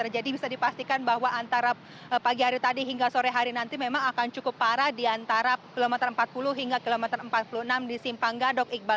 jadi bisa dipastikan bahwa antara pagi hari tadi hingga sore hari nanti memang akan cukup parah di antara kilometer empat puluh hingga kilometer empat puluh enam di simpang gadok iqbal